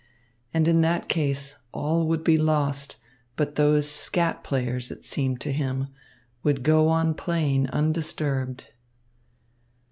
And in that case all would be lost; but those skat players, it seemed to him, would go on playing undisturbed.